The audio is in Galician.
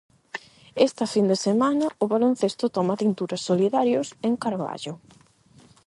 Esta fin de semana o baloncesto toma tinturas solidarios en Carballo.